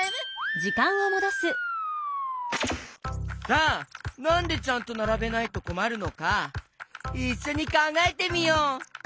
さあなんでちゃんとならべないとこまるのかいっしょにかんがえてみよう！